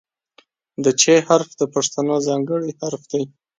د "چ" حرف د پښتو ځانګړی حرف دی.